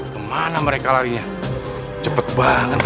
kemana mereka larinya cepet banget